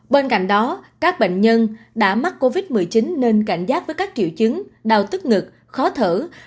bên cạnh đó các bệnh nhân đã mắc covid một mươi chín nên cảnh giác với các triệu chứng đau tức ngực khó thở